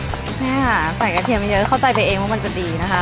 นี่ค่ะใส่กระเทียมเยอะเข้าใจไปเองว่ามันจะดีนะคะ